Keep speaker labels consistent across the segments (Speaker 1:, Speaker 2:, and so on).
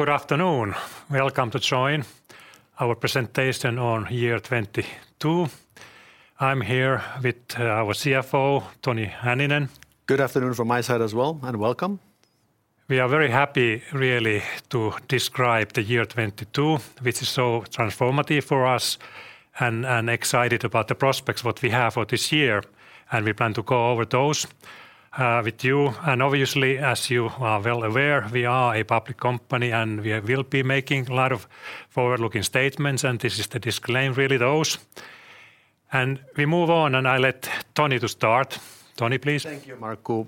Speaker 1: Good afternoon. Welcome to join our presentation on year 2022. I'm here with our CFO, Toni Hänninen.
Speaker 2: Good afternoon from my side as well, and welcome.
Speaker 1: We are very happy really to describe the year 2022, which is so transformative for us, and excited about the prospects what we have for this year, and we plan to go over those with you. Obviously, as you are well aware, we are a public company, and we will be making a lot of forward-looking statements, and this is to disclaim really those. We move on, and I let Toni to start. Toni, please.
Speaker 2: Thank you, Markku.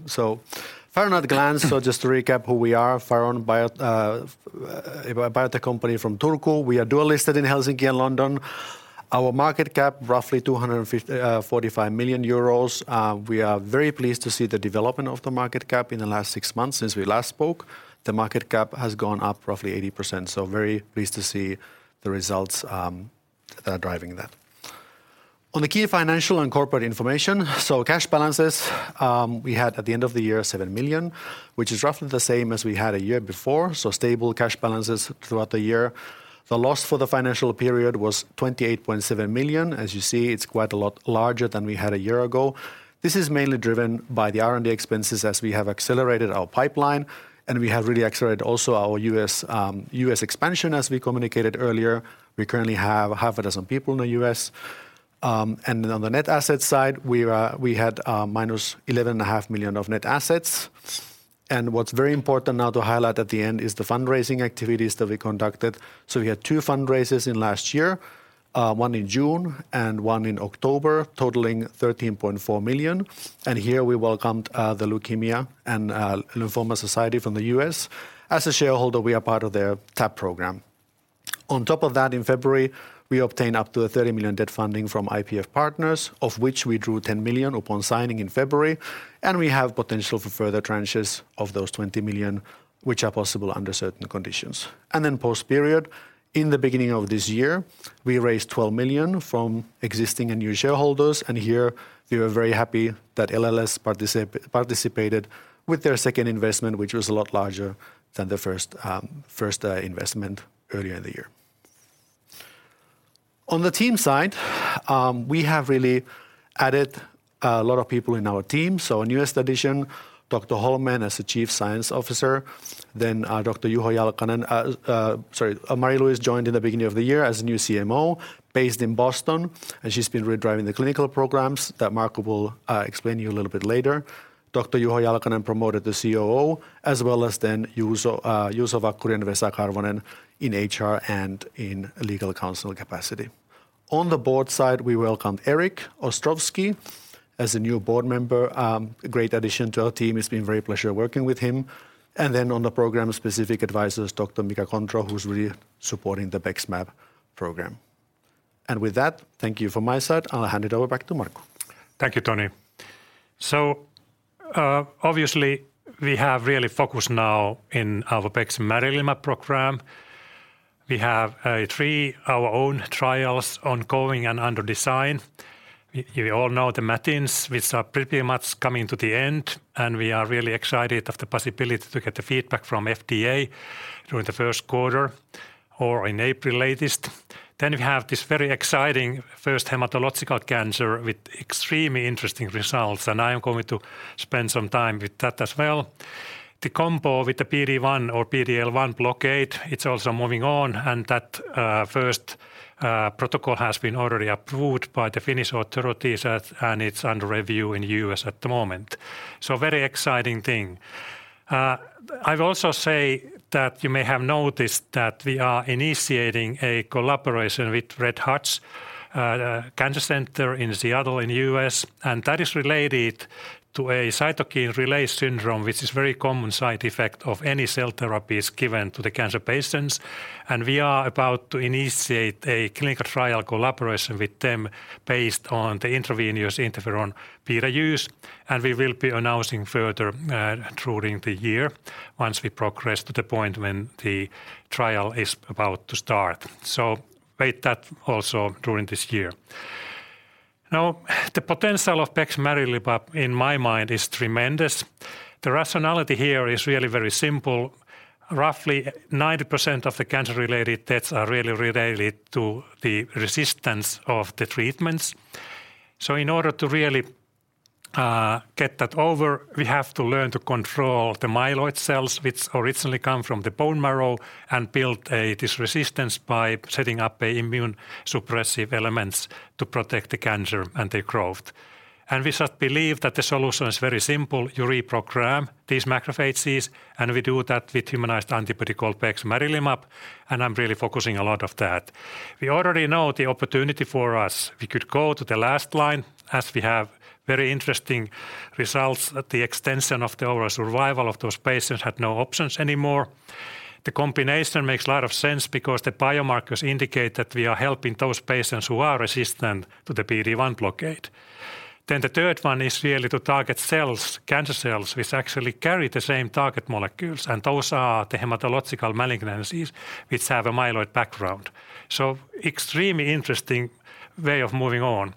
Speaker 2: Faron at a glance, just to recap who we are, Faron, a biotech company from Turku. We are dual listed in Helsinki and London. Our market cap roughly 245 million euros. We are very pleased to see the development of the market cap in the last six months since we last spoke. The market cap has gone up roughly 80%, very pleased to see the results that are driving that. On the key financial and corporate information, cash balances, we had at the end of the year 7 million, which is roughly the same as we had a year before, stable cash balances throughout the year. The loss for the financial period was 28.7 million. As you see, it's quite a lot larger than we had a year ago. This is mainly driven by the R&D expenses as we have accelerated our pipeline, we have really accelerated also our U.S. expansion as we communicated earlier. We currently have half a dozen people in the U.S. On the net assets side, we had -11.5 Million of net assets. What's very important now to highlight at the end is the fundraising activities that we conducted. We had two fundraisers last year, one in June and one in October, totaling 13.4 million. Here we welcomed The Leukemia & Lymphoma Society from the U.S. As a shareholder, we are part of their TAP program. On top of that, in February, we obtained up to a 30 million debt funding from IPF Partners, of which we drew 10 million upon signing in February, and we have potential for further tranches of those 20 million, which are possible under certain conditions. Post period, in the beginning of this year, we raised 12 million from existing and new shareholders, here we are very happy that LLS participated with their second investment, which was a lot larger than the first investment earlier in the year. On the team side, we have really added a lot of very people in our team. Newest addition, Dr. Hollmén as the Chief Science Officer, then our Dr. Juho Jalkanen, sorry. Marie-Louise joined in the beginning of the year as new CMO based in Boston, and she's been really driving the clinical programs that Markku will explain to you a little bit later. Dr. Juho Jalkanen promoted to COO, as well as Juuso Vakkuri and Vesa Karvonen in HR and in legal counsel capacity. On the board side, we welcomed Erik Ostrowski as a new board member, a great addition to our team. It's been very pleasure working with him. On the program, specific advisors, Dr. Mika Kontro, who's really supporting the BEXMAB program. With that, thank you from my side. I'll hand it over back to Markku.
Speaker 1: Thank you, Toni. Obviously we have really focused now in our Bexmarilimab program. We have three our own trials ongoing and under design. You all know the MATINS, which are pretty much coming to the end, and we are really excited of the possibility to get the feedback from FDA during the Q1 or in April latest. We have this very exciting first hematological cancer with extremely interesting results, and I am going to spend some time with that as well. The combo with the PD-1 or PD-L1 blockade, it's also moving on, and that first protocol has been already approved by the Finnish authorities, and it's under review in U.S. at the moment. Very exciting thing. I'd also say that you may have noticed that we are initiating a collaboration with Fred Hutch Cancer Center in Seattle in the US, and that is related to a cytokine release syndrome, which is very common side effect of any cell therapies given to the cancer patients. We are about to initiate a clinical trial collaboration with them based on the intravenous interferon beta use, and we will be announcing further during the year once we progress to the point when the trial is about to start. Wait that also during this year. The potential of Bexmarilimab in my mind is tremendous. The rationality here is really very simple. Roughly 90% of the cancer-related deaths are really related to the resistance of the treatments. In order to really get that over, we have to learn to control the myeloid cells, which originally come from the bone marrow and build this resistance by setting up a immune suppressive elements to protect the cancer and their growth. We just believe that the solution is very simple. You reprogram these macrophages, and we do that with humanized antibody called Bexmarilimab, and I'm really focusing a lot of that. We already know the opportunity for us. We could go to the last line as we have very interesting results at the extension of the overall survival of those patients had no options anymore. The combination makes a lot of sense because the biomarkers indicate that we are helping those patients who are resistant to the PD-1 blockade. The third one is really to target cells, cancer cells, which actually carry the same target molecules, and those are the hematological malignancies which have a myeloid background. Extremely interesting way of moving on.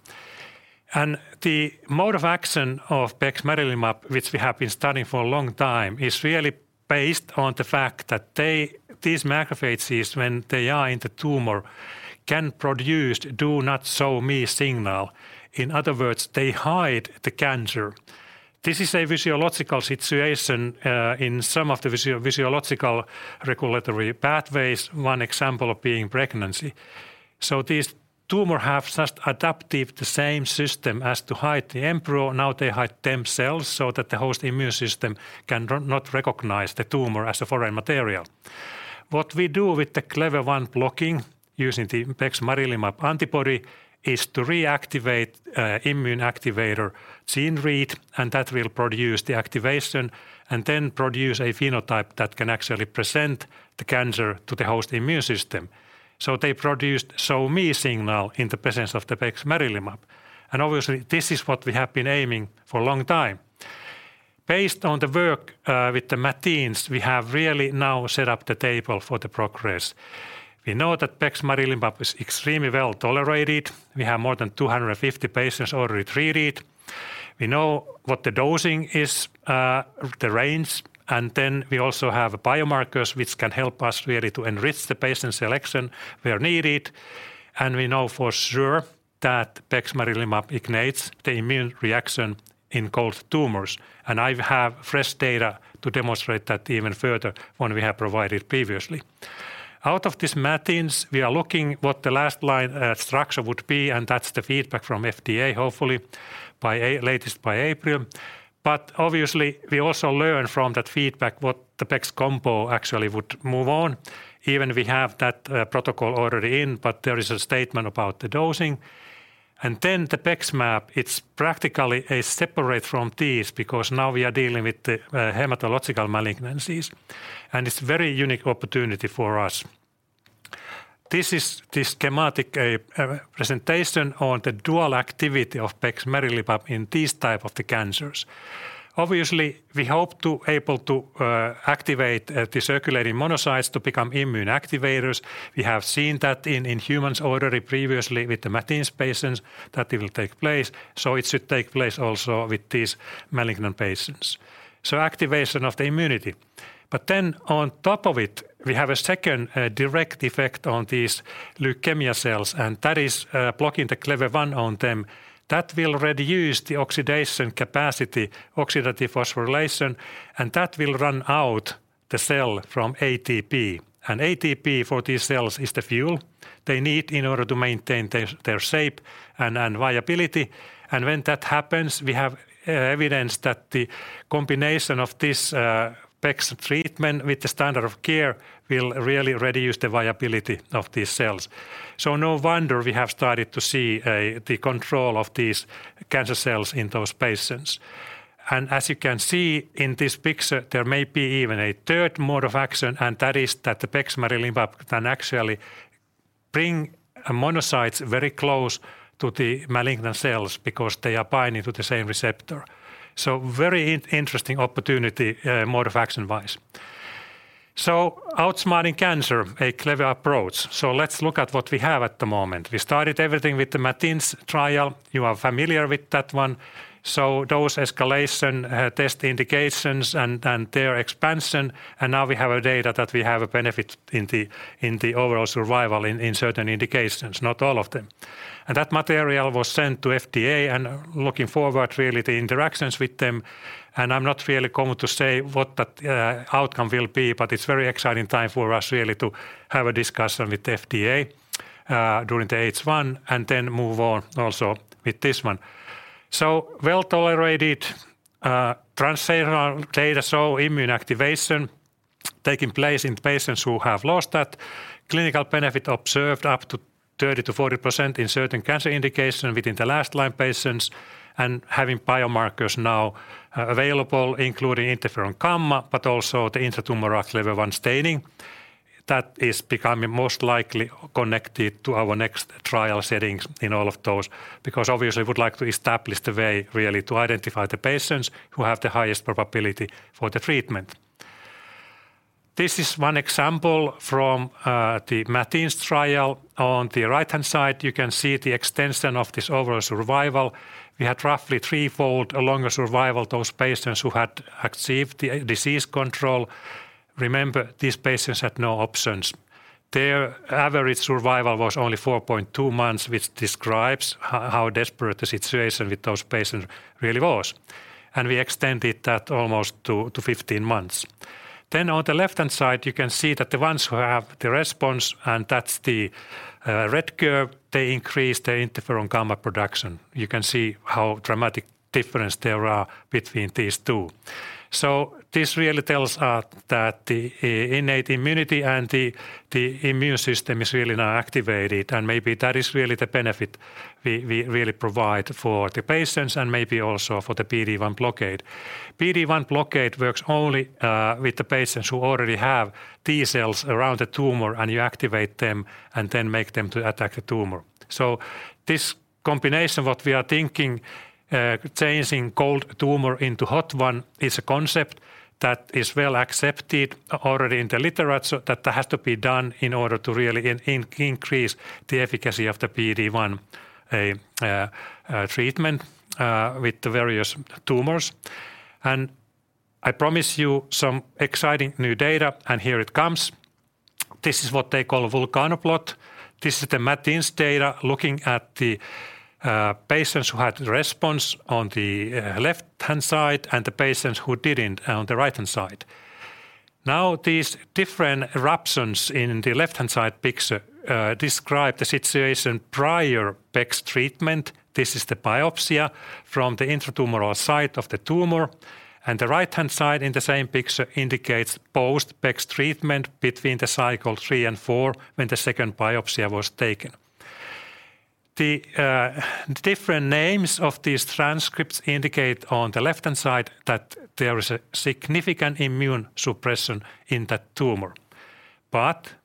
Speaker 1: The mode of action of Bexmarilimab, which we have been studying for a long time, is really based on the fact that these macrophages, when they are in the tumor, can produce Do Not Show Me signal. In other words, they hide the cancer. This is a physiological situation in some of the physio-physiological regulatory pathways, one example being pregnancy. These tumor have just adaptive the same system as to hide the embryo. Now they hide themselves so that the host immune system can not recognize the tumor as a foreign material. What we do with the Clever-1 blocking using the Bexmarilimab antibody is to reactivate immune activator gene read, and that will produce the activation and then produce a phenotype that can actually present the cancer to the host immune system. They produce Show Me signal in the presence of the Bexmarilimab. Obviously, this is what we have been aiming for a long time. Based on the work with the MATINS, we have really now set up the table for the progress. We know that Bexmarilimab is extremely well-tolerated. We have more than 250 patients already treated. We know what the dosing is, the range, and then we also have biomarkers which can help us really to enrich the patient selection where needed. We know for sure that Bexmarilimab ignites the immune reaction in cold tumors. I have fresh data to demonstrate that even further, one we have provided previously. Out of this MATINS, we are looking what the last line structure would be, and that's the feedback from FDA, hopefully by latest by April. Obviously, we also learn from that feedback what the BEX combo actually would move on. Even we have that protocol already in, but there is a statement about the dosing. Then the BEXMAB, it's practically a separate from these because now we are dealing with the hematological malignancies, and it's very unique opportunity for us. This is the schematic presentation on the dual activity of Bexmarilimab in these type of the cancers. Obviously, we hope to able to activate the circulating monocytes to become immune activators. We have seen that in humans already previously with the MATINS patients that it will take place. It should take place also with these malignant patients. Activation of the immunity. On top of it, we have a second direct effect on these leukemia cells, and that is blocking the Clever-1 on them. That will reduce the oxidation capacity, oxidative phosphorylation, and that will run out the cell from ATP. ATP for these cells is the fuel they need in order to maintain their shape and viability. When that happens, we have evidence that the combination of this BEX treatment with the standard of care will really reduce the viability of these cells. No wonder we have started to see the control of these cancer cells in those patients. As you can see in this picture, there may be even a third mode of action, and that is that the Bexmarilimab can actually bring monocytes very close to the malignant cells because they are binding to the same receptor. Very interesting opportunity, mode of action-wise. Outsmarting cancer, a Clever approach. Let's look at what we have at the moment. We started everything with the MATINS trial. You are familiar with that one. Dose escalation, test indications and their expansion, and now we have a data that we have a benefit in the, in the overall survival in certain indications, not all of them. That material was sent to FDA, and looking forward really the interactions with them. I'm not really going to say what that outcome will be, but it's very exciting time for us really to have a discussion with FDA during the H1 and then move on also with this one. Well-tolerated translational data show immune activation taking place in patients who have lost that. Clinical benefit observed up to 30%-40% in certain cancer indication within the last line patients and having biomarkers now available, including interferon gamma, but also the intratumor Clever-1 staining. That is becoming most likely connected to our next trial settings in all of those because obviously we would like to establish the way really to identify the patients who have the highest probability for the treatment. This is one example from the MATINS trial. On the right-hand side, you can see the extension of this overall survival. We had roughly threefold longer survival those patients who had achieved the disease control. Remember, these patients had no options. Their average survival was only 4.2 months, which describes how desperate the situation with those patients really was. We extended that almost to 15 months. On the left-hand side, you can see that the ones who have the response, and that's the red curve, they increase the interferon gamma production. You can see how dramatic difference there are between these two. This really tells us that the innate immunity and the immune system is really now activated, and maybe that is really the benefit we really provide for the patients and maybe also for the PD-1 blockade. PD-1 blockade works only with the patients who already have T-cells around the tumor, and you activate them and then make them to attack the tumor. This combination, what we are thinking. Changing cold tumor into hot one is a concept that is well accepted already in the literature that has to be done in order to really increase the efficacy of the PD-1 treatment with the various tumors. I promise you some exciting new data, and here it comes. This is what they call a volcano plot. This is the MATINS data looking at the patients who had response on the left-hand side and the patients who didn't on the right-hand side. These different eruptions in the left-hand side picture describe the situation prior BEX treatment. This is the biopsy from the intra-tumoral site of the tumor. The right-hand side in the same picture indicates post-BEX treatment between the cycle three and four when the second biopsy was taken. The different names of these transcripts indicate on the left-hand side that there is a significant immune suppression in that tumor.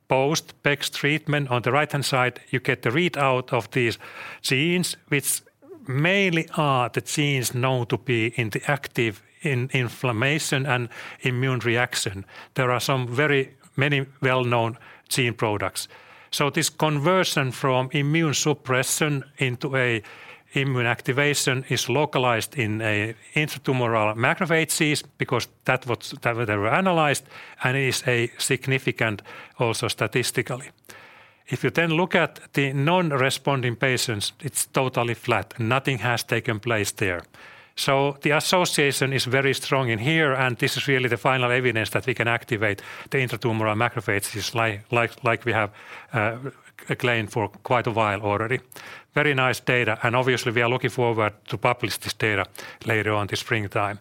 Speaker 1: Post-BEX treatment on the right-hand side, you get the readout of these genes, which mainly are the genes known to be in the active in inflammation and immune reaction. There are some very many well-known gene products. This conversion from immune suppression into a immune activation is localized in a intra-tumoral macrophages because that what they were analyzed and is a significant also statistically. If you look at the non-responding patients, it's totally flat. Nothing has taken place there. The association is very strong in here. This is really the final evidence that we can activate the intra-tumoral macrophages like we have claimed for quite a while already. Very nice data. Obviously we are looking forward to publish this data later on this springtime.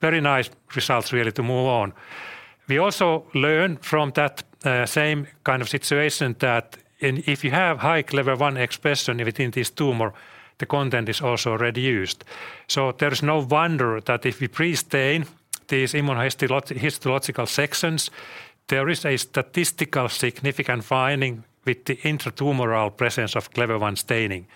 Speaker 1: Very nice results really to move on. We also learn from that same kind of situation that if you have high Clever-1 expression within this tumor, the content is also reduced. There is no wonder that if we pre-stain these immunohistological sections, there is a statistical significant finding with the intra-tumoral presence of Clever-1 staining,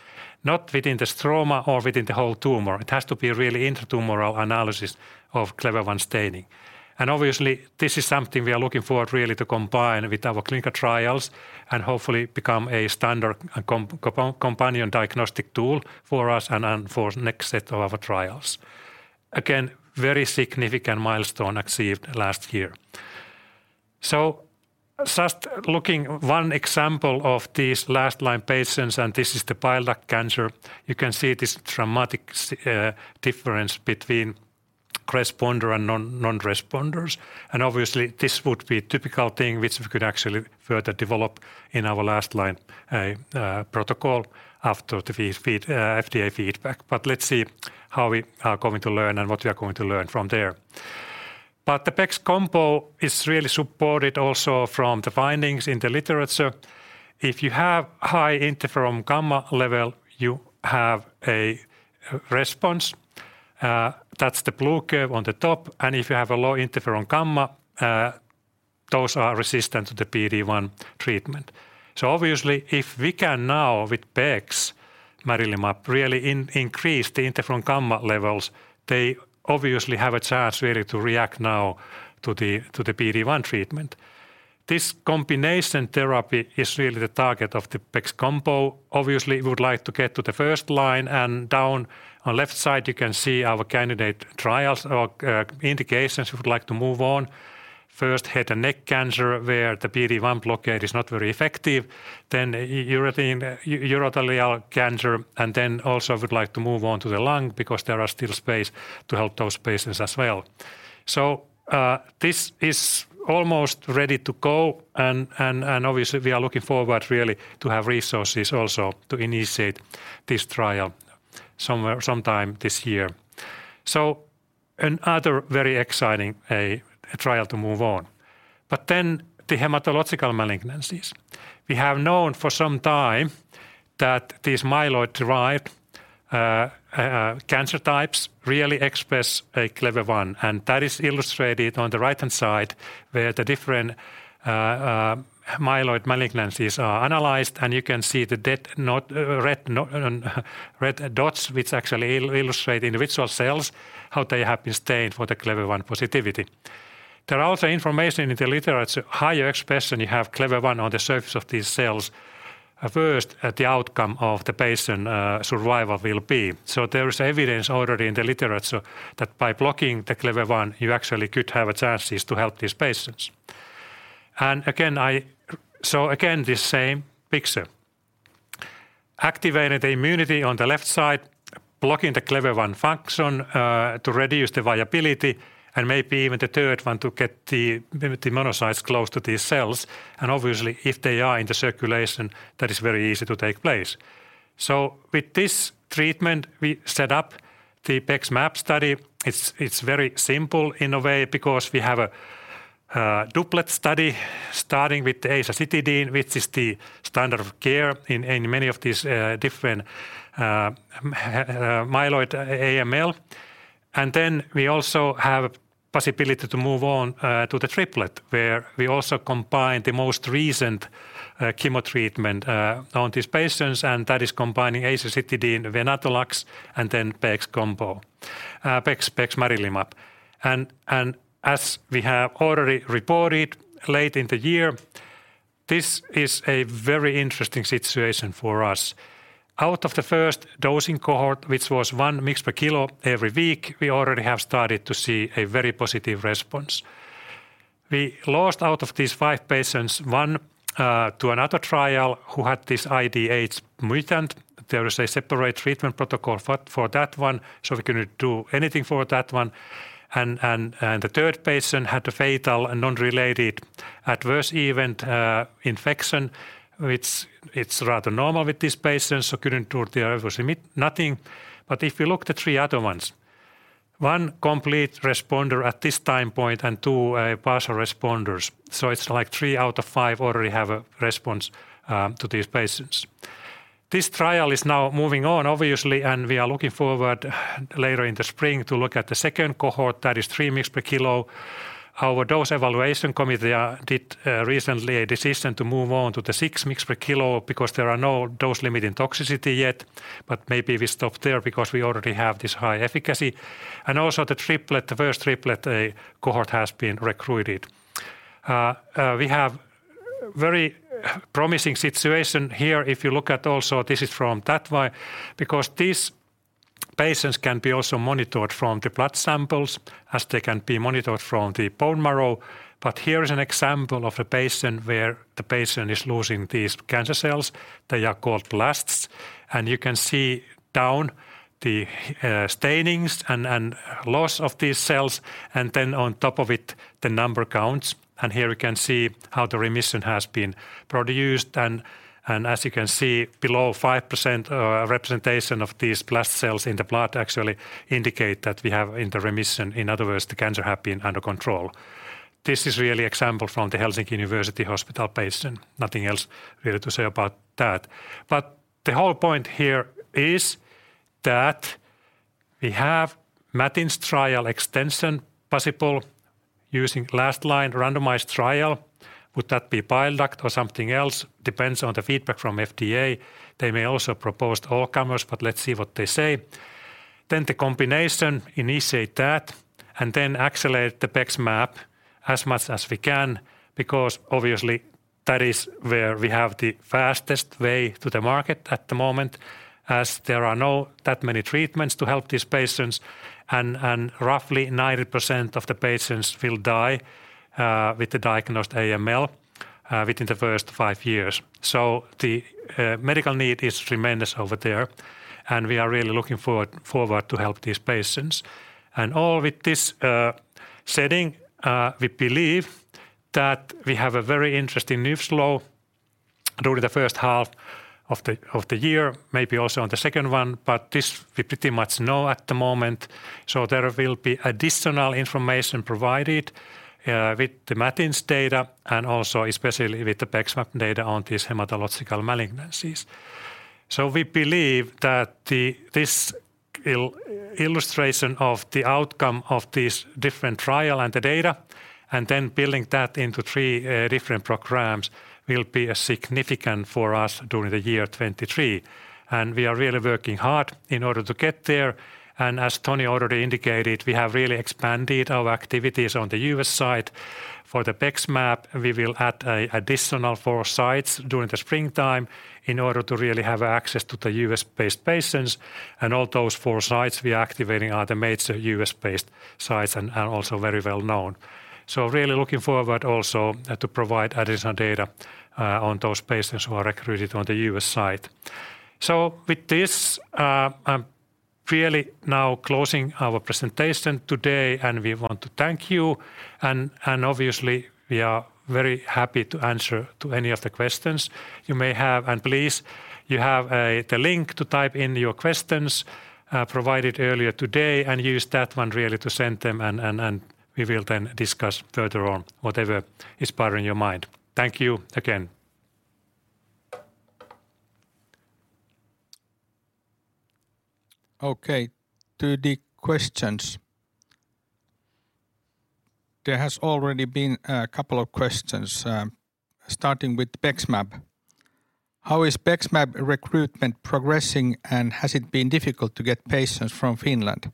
Speaker 1: not within the stroma or within the whole tumor. It has to be really intra-tumoral analysis of Clever-1 staining. Obviously, this is something we are looking forward really to combine with our clinical trials and hopefully become a standard companion diagnostic tool for us and for next set of our trials. Very significant milestone achieved last year. Just looking one example of these last line patients, this is the bile duct cancer. You can see this dramatic difference between responder and non-responders. Obviously, this would be typical thing which we could actually further develop in our last line protocol after the FDA feedback. Let's see how we are going to learn and what we are going to learn from there. The BEX combo is really supported also from the findings in the literature. If you have high interferon gamma level, you have a response. That's the blue curve on the top. If you have a low interferon gamma, those are resistant to the PD-1 treatment. Obviously, if we can now with Bexmarilimab really increase the interferon gamma levels, they obviously have a chance really to react now to the PD-1 treatment. This combination therapy is really the target of the BEX combo. We would like to get to the first line and down on left side, you can see our candidate trials or indications we would like to move on. First, head and neck cancer, where the PD-1 blockade is not very effective. Urothelial cancer, also would like to move on to the lung because there are still space to help those patients as well. This is almost ready to go and obviously we are looking forward really to have resources also to initiate this trial sometime this year. Another very exciting trial to move on. The hematological malignancies. We have known for some time that these myeloid-derived cancer types really express a Clever-1, and that is illustrated on the right-hand side where the different myeloid malignancies are analyzed, and you can see the red dots which actually illustrate individual cells, how they have been stained for the Clever-1 positivity. There are also information in the literature, higher expression you have Clever-1 on the surface of these cells, worse the outcome of the patient survival will be. There is evidence already in the literature that by blocking the Clever-1, you actually could have a chances to help these patients. Again, this same picture. Activated immunity on the left side, blocking the Clever-1 function, to reduce the viability, and maybe even the third one to get the monocytes close to these cells. Obviously, if they are in the circulation, that is very easy to take place. With this treatment, we set up the BEXMAB study. It's very simple in a way because we have a doublet study starting with azacitidine, which is the standard of care in many of these different myeloid AML. We also have possibility to move on to the triplet where we also combine the most recent chemo treatment on these patients, that is combining Azacitidine, Venetoclax, and BEX combo, BEX/Bexmarilimab. As we have already reported late in the year, this is a very interesting situation for us. Out of the first dosing cohort, which was 1 mg per kilo every week, we already have started to see a very positive response. We lost out of these five patients, one to another trial who had this IDH mutant. There is a separate treatment protocol for that one, so we couldn't do anything for that one. The third patient had a fatal and unrelated adverse event, infection, which it's rather normal with these patients, so couldn't do there was nothing. If you look the three other ones, one complete responder at this time point and two partial responders. It's like three out of five already have a response to these patients. This trial is now moving on, obviously, and we are looking forward later in the spring to look at the second cohort that is 3 mgs per kilo. Our dose escalation committee did recently a decision to move on to the 6 mgs per kilo because there are no dose-limiting toxicity yet. Maybe we stop there because we already have this high efficacy. The triplet, the first triplet, a cohort has been recruited. We have very promising situation here if you look at also this is from that one because these patients can be also monitored from the blood samples as they can be monitored from the bone marrow. Here is an example of a patient where the patient is losing these cancer cells. They are called blasts. You can see down the stainings and loss of these cells and then on top of it, the number counts. Here we can see how the remission has been produced. As you can see below 5%, representation of these blast cells in the blood actually indicate that we have enter remission. In other words, the cancer have been under control. This is really example from the Helsinki University Hospital patient. Nothing else really to say about that. The whole point here is that we have MATINS trial extension possible using last line randomized trial. Would that be bile duct or something else? Depends on the feedback from FDA. They may also propose all comers, but let's see what they say. The combination initiate that, and then accelerate the BEXMAB as much as we can because obviously that is where we have the fastest way to the market at the moment, as there are no that many treatments to help these patients and roughly 90% of the patients will die with the diagnosed AML within the first five years. The medical need is tremendous over there, and we are really looking forward to help these patients. All with this setting, we believe that we have a very interesting news flow during the first half of the year, maybe also on the second one, but this we pretty much know at the moment. There will be additional information provided with the MATINS data and also especially with the BEXMAB data on these hematological malignancies. We believe that this illustration of the outcome of these different trial and the data, and then building that into three different programs will be significant for us during 2023. We are really working hard in order to get there. As Toni already indicated, we have really expanded our activities on the U.S. side. For the BEXMAB, we will add a additional four sites during the springtime in order to really have access to the U.S.-based patients. All those four sites we are activating are the major U.S.-based sites and also very well known. Really looking forward also, to provide additional data, on those patients who are recruited on the U.S. side. With this, I'm really now closing our presentation today, and we want to thank you. Obviously we are very happy to answer to any of the questions you may have. Please, you have, the link to type in your questions, provided earlier today and use that one really to send them and we will then discuss further on whatever is bothering your mind. Thank you again.
Speaker 3: Okay. To the questions. There has already been a couple of questions, starting with BEXMAB. How is BEXMAB recruitment progressing, and has it been difficult to get patients from Finland?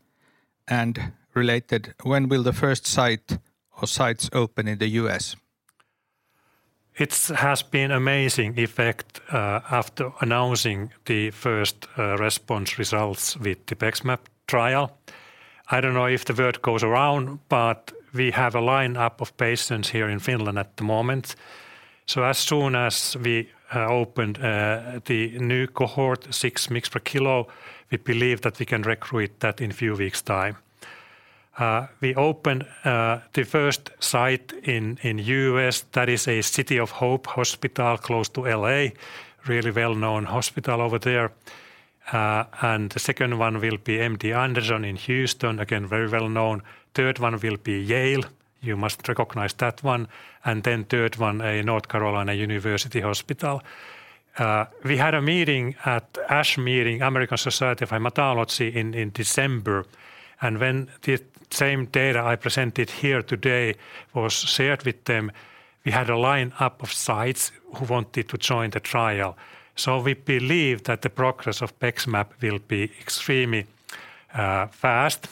Speaker 3: Related, when will the first site or sites open in the US?
Speaker 1: It's been amazing effect after announcing the first response results with the BEXMAB trial. I don't know if the word goes around, but we have a line-up of patients here in Finland at the moment. As soon as we opened the new cohort 6 mgs per kilo, we believe that we can recruit that in few weeks time. We opened the first site in U.S. That is a City of Hope hospital close to L.A., really well-known hospital over there. The second one will be MD Anderson in Houston, again, very well known. Third one will be Yale. You must recognize that one. Third one, a University of North Carolina Hospitals. We had a meeting at ASH meeting, American Society of Hematology, in December. When the same data I presented here today was shared with them, we had a line-up of sites who wanted to join the trial. We believe that the progress of BEXMAB will be extremely fast.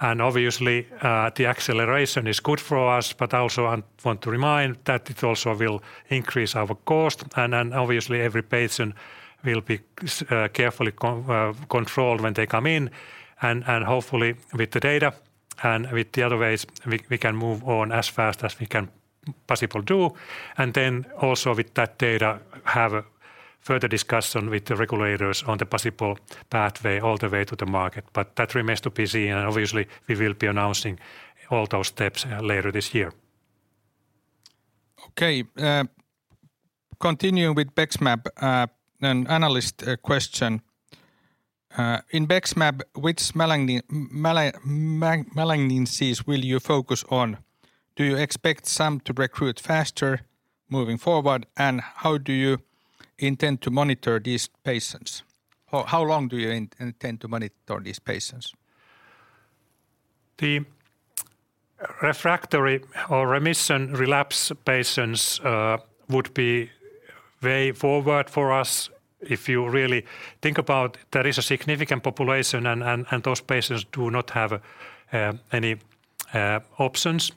Speaker 1: Obviously, the acceleration is good for us, but also I want to remind that it also will increase our cost. Obviously every patient will be carefully controlled when they come in. Hopefully with the data and with the other ways, we can move on as fast as we can possibly do. Also with that data, have further discussion with the regulators on the possible pathway all the way to the market. That remains to be seen, and obviously we will be announcing all those steps later this year.
Speaker 3: Okay. Continuing with BEXMAB, an analyst question. In BEXMAB, which malignancies will you focus on? Do you expect some to recruit faster moving forward, and how do you intend to monitor these patients? How long do you intend to monitor these patients?
Speaker 1: The refractory or remission relapse patients would be way forward for us. If you really think about, there is a significant population and those patients do not have any options.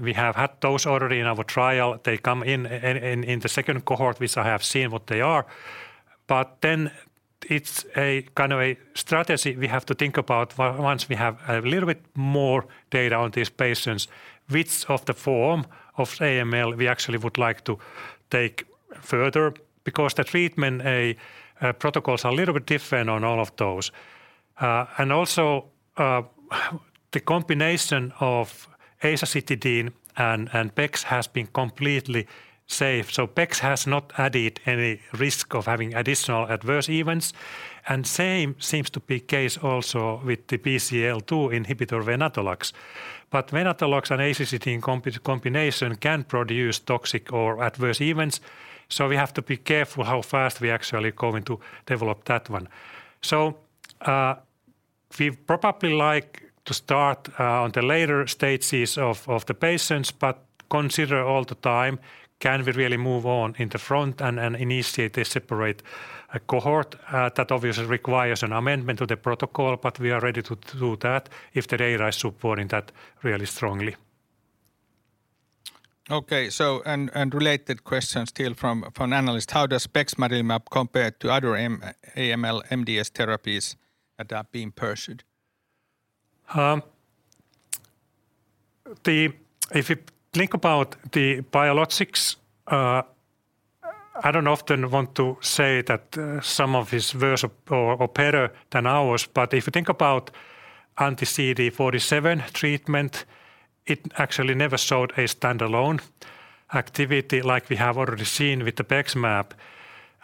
Speaker 1: We have had those already in our trial. They come in the second cohort, which I have seen what they are. It's a kind of a strategy we have to think about once we have a little bit more data on these patients, which of the form of AML we actually would like to take further, because the treatment protocols are a little bit different on all of those. Also, the combination of Azacitidine and BEX has been completely safe. BEX has not added any risk of having additional adverse events. Same seems to be case also with the BCL-2 inhibitor Venetoclax. Venetoclax and Azacitidine combination can produce toxic or adverse events, so we have to be careful how fast we actually going to develop that one. We'd probably like to start on the later stages of the patients, but consider all the time, can we really move on in the front and initiate a separate cohort? That obviously requires an amendment to the protocol, but we are ready to do that if the data is supporting that really strongly.
Speaker 3: Related question still from analyst. How does Bexmarilimab compare to other AML, MDS therapies that are being pursued?
Speaker 1: If you think about the biologics, I don't often want to say that some of is worse or better than ours, but if you think about anti-CD47 treatment, it actually never showed a stand-alone activity like we have already seen with the BEXMAB.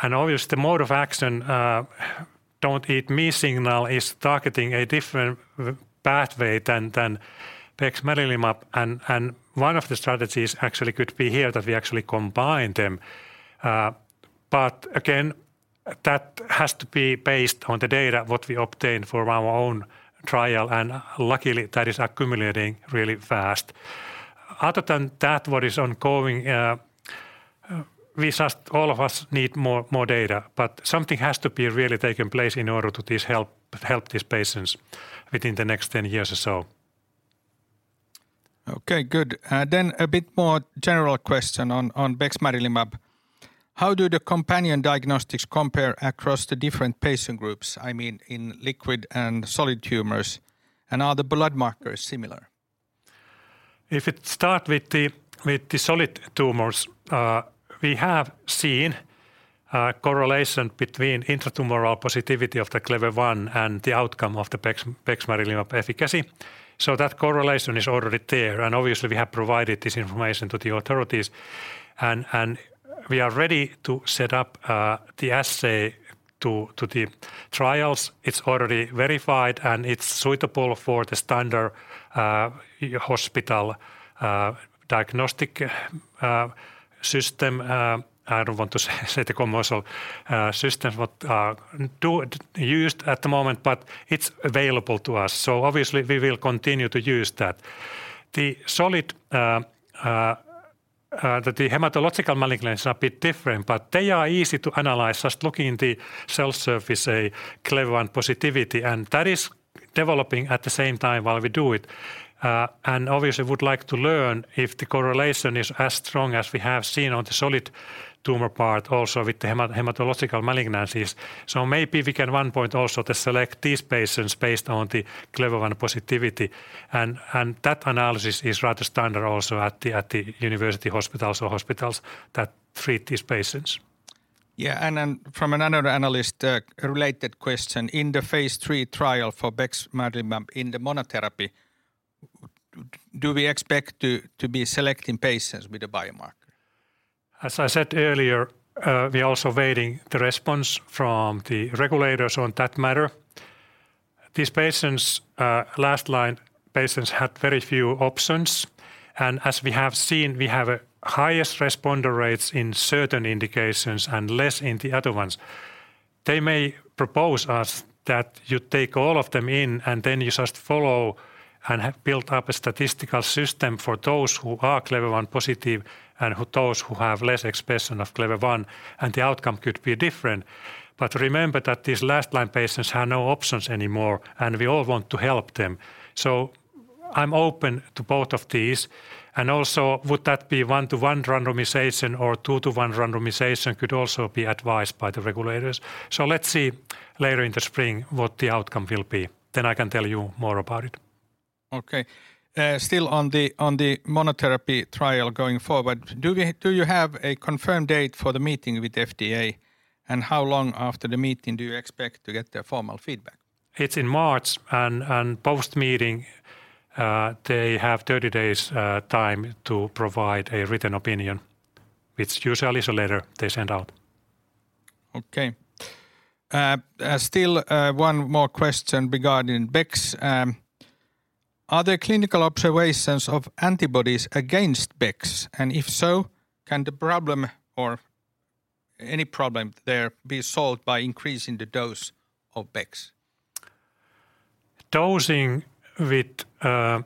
Speaker 1: Obviously the mode of action, don't eat me signal, is targeting a different pathway than Bexmarilimab. One of the strategies actually could be here that we actually combine them. Again, that has to be based on the data what we obtain for our own trial, and luckily that is accumulating really fast. Other than that, what is ongoing, we just all of us need more data. Something has to be really taking place in order to this help these patients within the next 10 years or so.
Speaker 3: Okay, good. A bit more general question on Bexmarilimab. How do the companion diagnostics compare across the different patient groups, I mean, in liquid and solid tumors, and are the blood markers similar?
Speaker 1: If it start with the solid tumors, we have seen a correlation between intratumoral positivity of the Clever-1 and the outcome of the Bexmarilimab efficacy. That correlation is already there, obviously we have provided this information to the authorities. We are ready to set up the assay to the trials. It's already verified, it's suitable for the standard hospital diagnostic system. I don't want to say the commercial systems used at the moment, but it's available to us. Obviously we will continue to use that. The solid the hematological malignancies are a bit different, but they are easy to analyze, just looking the cell surface, a Clever-1 positivity, that is developing at the same time while we do it. Obviously would like to learn if the correlation is as strong as we have seen on the solid tumor part also with the hematological malignancies. Maybe we can one point also to select these patients based on the Clever-1 positivity. That analysis is rather standard also at the university hospitals or hospitals that treat these patients.
Speaker 3: Yeah. Then from another analyst, a related question. In the phase III trial for Bexmarilimab in the monotherapy, do we expect to be selecting patients with a biomarker?
Speaker 1: As I said earlier, we are also waiting the response from the regulators on that matter. These patients, last line patients had very few options, and as we have seen, we have highest responder rates in certain indications and less in the other ones. They may propose us that you take all of them in, and then you just follow and have built up a statistical system for those who are Clever-1 positive and those who have less expression of Clever-1, and the outcome could be different. Remember that these last line patients have no options anymore, and we all want to help them. I'm open to both of these, and also would that be 1-to-1 randomization or 2-to-1 randomization could also be advised by the regulators. Let's see later in the spring what the outcome will be. I can tell you more about it.
Speaker 3: Okay. still on the monotherapy trial going forward, do you have a confirmed date for the meeting with FDA? How long after the meeting do you expect to get their formal feedback?
Speaker 1: It's in March and post-meeting, they have 30 days, time to provide a written opinion. It's usually just a letter they send out.
Speaker 3: Okay. Still, one more question regarding BEX. Are there clinical observations of antibodies against BEX? If so, can the problem or any problem there be solved by increasing the dose of BEX?
Speaker 1: Dosing with, uh,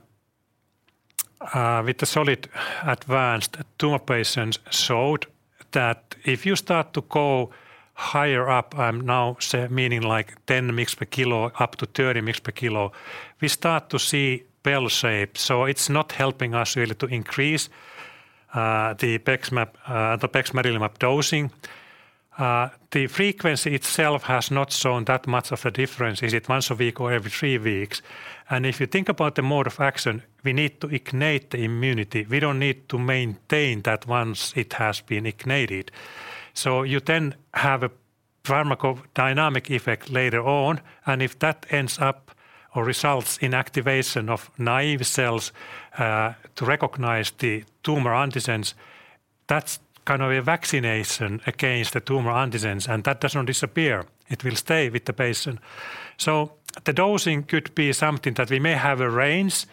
Speaker 1: uh, with the solid advanced tumor patients showed that if you start to go higher up, I'm now sa- meaning like ten mgs per kilo up to thirty mgs per kilo, we start to see bell shape. So it's not helping us really to increase, uh, the BEXMAB uh, the Bexmarilimab dosing. Uh, the frequency itself has not shown that much of a difference, is it once a week or every three weeks. And if you think about the mode of action, we need to ignite the immunity. We don't need to maintain that once it has been ignited. So you then have a pharmacodynamic effect later on, and if that ends up or results in activation of naive cells, uh, to recognize the tumor antigens, that's kind of a vaccination against the tumor antigens, and that does not disappear. It will stay with the patient. The dosing could be something that we may have a range,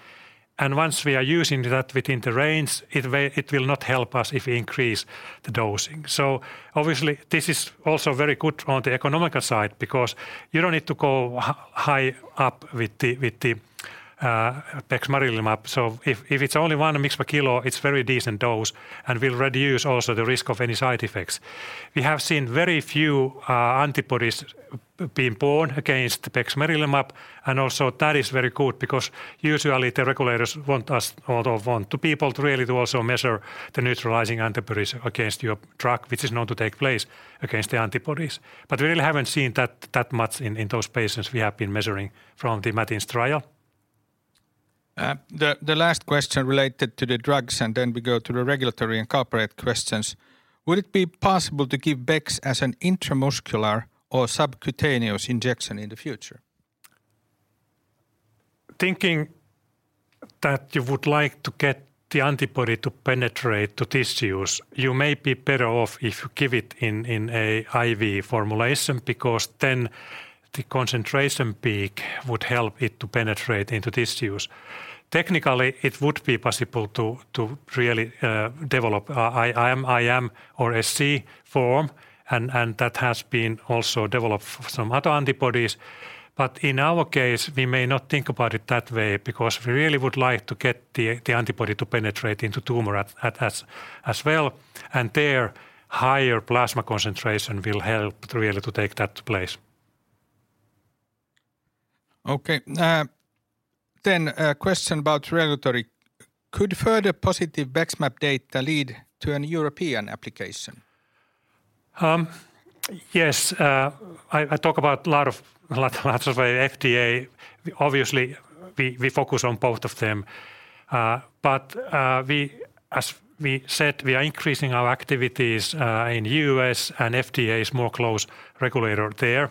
Speaker 1: and once we are using that within the range, it will not help us if we increase the dosing. Obviously, this is also very good on the economical side because you don't need to go high up with the, with the Bexmarilimab. If it's only one mg per kilo, it's very decent dose and will reduce also the risk of any side effects. We have seen very few antibodies being born against the Bexmarilimab, and also that is very good because usually the regulators want us or want to people to really also measure the neutralizing antibodies against your drug, which is known to take place against the antibodies. We really haven't seen that much in those patients we have been measuring from the MATINS trial.
Speaker 3: The last question related to the drugs, and then we go to the regulatory and corporate questions. Would it be possible to give BEX as an intramuscular or subcutaneous injection in the future?
Speaker 1: Thinking that you would like to get the antibody to penetrate to tissues, you may be better off if you give it in a IV formulation because then the concentration peak would help it to penetrate into tissues. Technically, it would be possible to really develop a IM or SC form and that has been also developed for some other antibodies. In our case, we may not think about it that way because we really would like to get the antibody to penetrate into tumor as well, and there, higher plasma concentration will help really to take that place.
Speaker 3: Okay. A question about regulatory. Could further positive BEXMAB data lead to an European application?
Speaker 1: Yes. I talk about lots of FDA. Obviously, we focus on both of them. We, as we said, we are increasing our activities in U.S., and FDA is more close regulator there.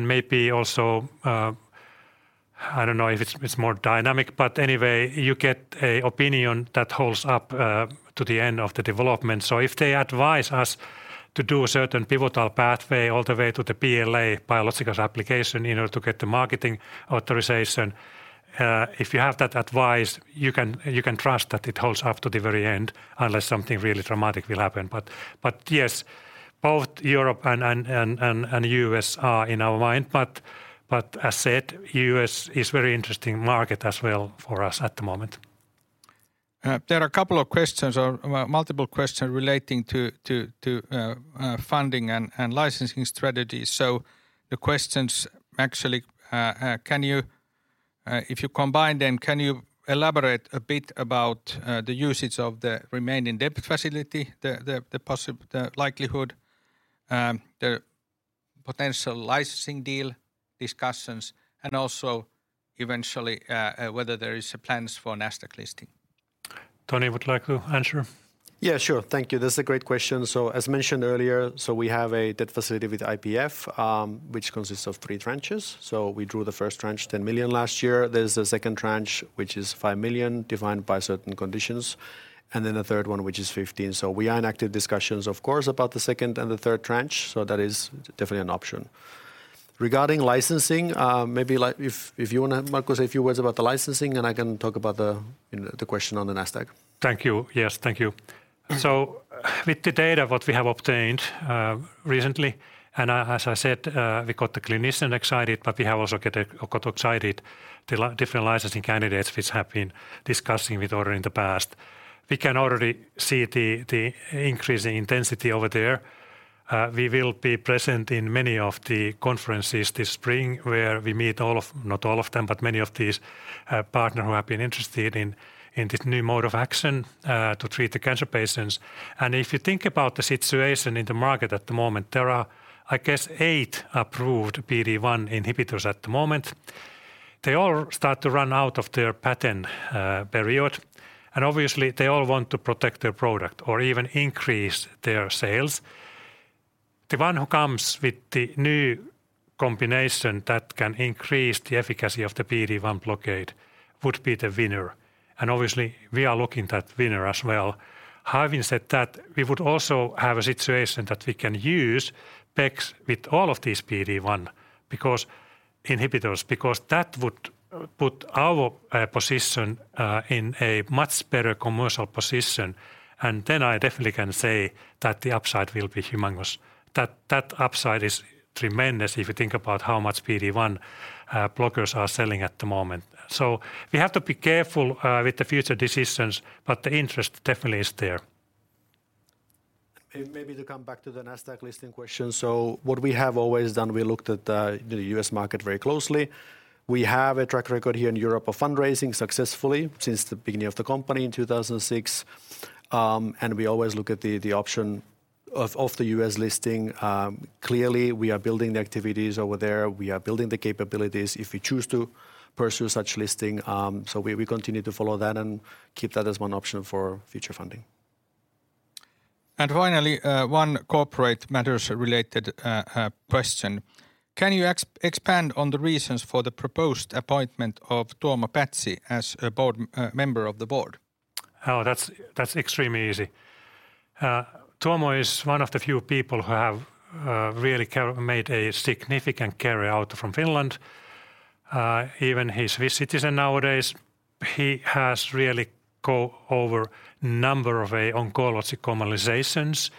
Speaker 1: Maybe also, I don't know if it's more dynamic, but anyway, you get a opinion that holds up to the end of the development. If they advise us to do a certain pivotal pathway all the way to the BLA, biologicals application, in order to get the marketing authorization, if you have that advice, you can trust that it holds up to the very end unless something really dramatic will happen. Yes, both Europe and U.S. are in our mind, but as said, U.S. is very interesting market as well for us at the moment.
Speaker 3: There are a couple of questions or multiple questions relating to funding and licensing strategies. The questions actually, if you combine them, can you elaborate a bit about the usage of the remaining debt facility, the likelihood, the potential licensing deal discussions, and also eventually, whether there is plans for Nasdaq listing?
Speaker 1: Toni, would you like to answer?
Speaker 2: Yeah, sure. Thank you. That's a great question. As mentioned earlier, so we have a debt facility with IPF, which consists of three tranches. We drew the first tranche, 10 million last year. There's a second tranche, which is 5 million defined by certain conditions, and then a third one, which is 15 million. We are in active discussions, of course, about the second and the third tranche, so that is definitely an option. Regarding licensing, maybe like if you wanna, Markku, say a few words about the licensing, and I can talk about the question on the Nasdaq.
Speaker 1: Thank you. Yes. Thank you. With the data what we have obtained recently, as I said, we got the clinician excited, but we have also got excited the different licensing candidates which have been discussing with Orro in the past. We can already see the increasing intensity over there. We will be present in many of the conferences this spring where we meet not all of them, but many of these partner who have been interested in this new mode of action to treat the cancer patients. If you think about the situation in the market at the moment, there are, I guess, eight approved PD-1 inhibitors at the moment. They all start to run out of their patent period. Obviously they all want to protect their product or even increase their sales. The one who comes with the new combination that can increase the efficacy of the PD-1 blockade would be the winner. Obviously we are looking that winner as well. Having said that, we would also have a situation that we can use BEX with all of these PD-1 inhibitors, because that would put our position in a much better commercial position. Then I definitely can say that the upside will be humongous. That upside is tremendous if you think about how much PD-1 blockers are selling at the moment. We have to be careful with the future decisions, but the interest definitely is there.
Speaker 2: Maybe to come back to the Nasdaq listing question. What we have always done, we looked at the U.S. market very closely. We have a track record here in Europe of fundraising successfully since the beginning of the company in 2006. We always look at the option of the U.S. listing. Clearly we are building the activities over there. We are building the capabilities if we choose to pursue such listing, we continue to follow that and keep that as one option for future funding.
Speaker 3: Finally, one corporate matters related question. Can you expand on the reasons for the proposed appointment of Tuomo Pätsi as a member of the board?
Speaker 1: That's extremely easy. Tuomo is one of the few people who have really made a significant career out from Finland. Even he's Swiss citizen nowadays. He has really go over number of oncology commercializations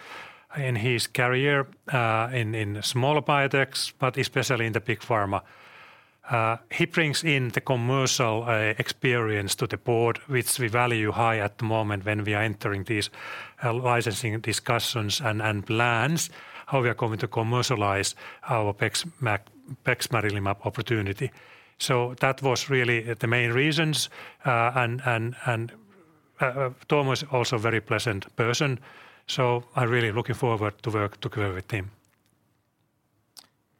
Speaker 1: in his career in small biotechs, but especially in the big pharma. He brings in the commercial experience to the board, which we value high at the moment when we are entering these licensing discussions and plans how we are going to commercialize our Bexmarilimab opportunity. That was really the main reasons. And Tuomo is also very pleasant person, I'm really looking forward to work together with him.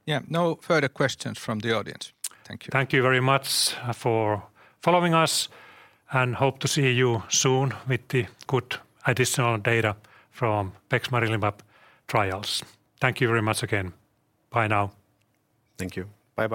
Speaker 3: Yeah. No further questions from the audience. Thank you.
Speaker 1: Thank you very much for following us, and hope to see you soon with the good additional data from Bexmarilimab trials. Thank you very much again. Bye now.
Speaker 2: Thank you.
Speaker 3: Bye.